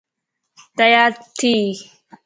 تيار ٿي